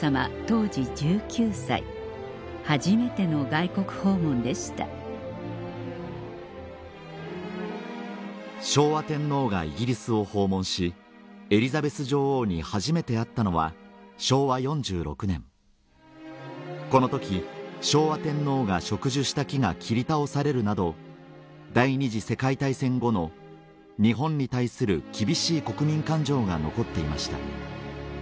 当時１９歳初めての外国訪問でした昭和天皇がイギリスを訪問しエリザベス女王に初めて会ったのは昭和４６年この時昭和天皇が植樹した木が切り倒されるなど第２次世界大戦後の日本に対する厳しい国民感情が残っていました